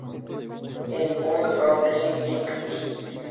En Bound for Glory, Ink Inc.